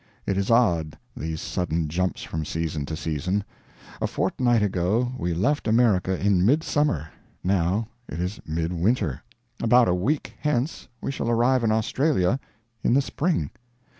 It is odd, these sudden jumps from season to season. A fortnight ago we left America in mid summer, now it is midwinter; about a week hence we shall arrive in Australia in the spring.